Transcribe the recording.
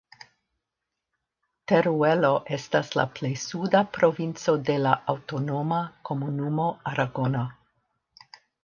Teruelo estas la plej suda provinco de la Aŭtonoma Komunumo Aragono.